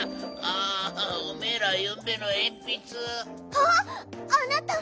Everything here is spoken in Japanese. あっあなたは！